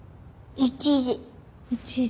１時。